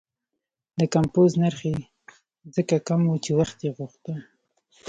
د کمپوز نرخ یې ځکه کم و چې وخت یې غوښته.